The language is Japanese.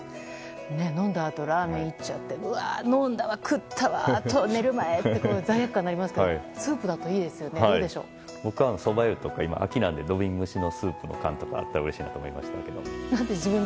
飲んだあとラーメンいっちゃって飲んだわ、食ったわと寝る前っていう罪悪感になりますけど僕はそば湯など今、秋なので土瓶蒸しのスープの缶とかあったらいいなと思います。